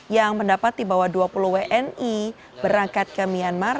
yang mendapat di bawah dua puluh wni berangkat ke myanmar